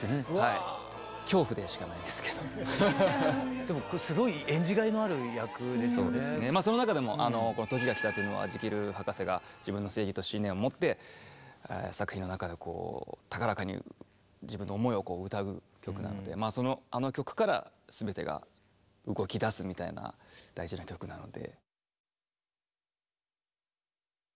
でもすごいその中でもこの「時が来た」というのはジキル博士が自分の正義と信念をもって作品の中でこう高らかに自分の思いを歌う曲なんであの曲から全てが動きだすみたいな大事な曲なので。